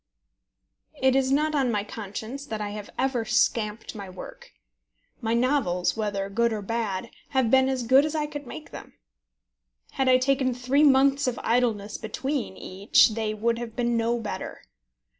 It is not on my conscience that I have ever scamped my work. My novels, whether good or bad, have been as good as I could make them. Had I taken three months of idleness between each they would have been no better.